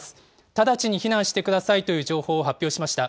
直ちに避難してくださいという情報を発表しました。